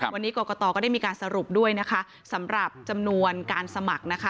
วันนี้กรกตก็ได้มีการสรุปด้วยนะคะสำหรับจำนวนการสมัครนะคะ